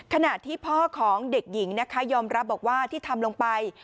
ขณะที่พ่อของเด็กหญิงนะคะยอมรับบอกว่าที่ทำลงไป